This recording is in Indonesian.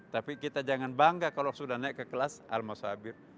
tapi kita jangan bangga kalau sudah naik ke kelas al mashabir